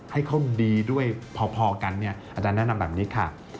ให้เขาดีด้วยพอกันเนี่ยอาจารย์แนะนำแบบนี้ค่ะ